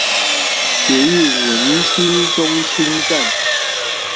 捷運文心中清站